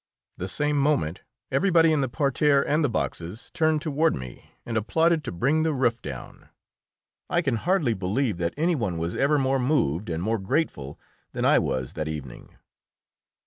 The same moment everybody in the parterre and the boxes turned toward me and applauded to bring the roof down. I can hardly believe that any one was ever more moved and more grateful than I was that evening.